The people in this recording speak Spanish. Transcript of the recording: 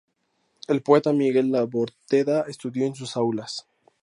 El poeta Miguel Labordeta estudió en sus aulas.